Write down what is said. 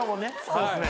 そうですね。